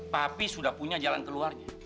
tapi sudah punya jalan keluarnya